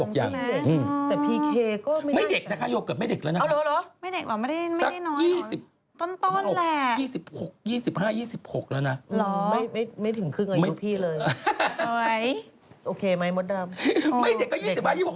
ผมยังเป็นลูกพี่ได้แน่แล้ว